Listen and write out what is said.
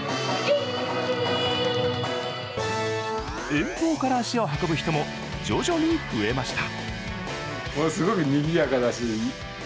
遠方から足を運ぶ人も徐々に増えました。